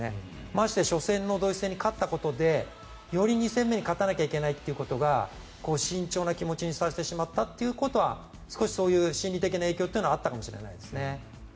まして初戦のドイツ戦に勝ったことでより２戦目に勝たなければいけないということが慎重な気持ちにさせてしまったということは少しそういう心理的な影響はあったかもしれないですね。